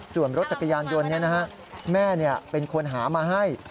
ส่วนรถจักรยานยนต์แม่เป็นคนหามาให้